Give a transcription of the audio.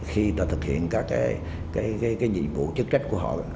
khi ta thực hiện các cái nhiệm vụ chức trách của họ